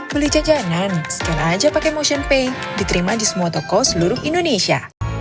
beli jajanan scan aja pake motionpay diterima di semua toko seluruh indonesia